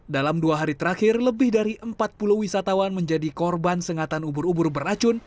dalam dua hari terakhir lebih dari empat puluh wisatawan menjadi korban sengatan ubur ubur beracun